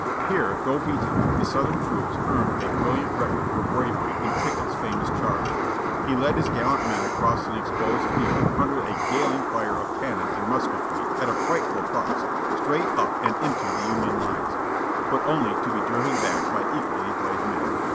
Here, though beaten, the Southern troops earned a brilliant record for bravery in Pickett's famous charge. He led his gallant men across an exposed field under a galling fire of cannon and musketry, at a frightful cost, straight up and into the Union lines. But only to be driven back by equally brave men.